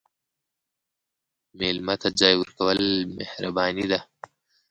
مېلمه ته ځای ورکول مهرباني ده.